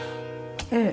ええ。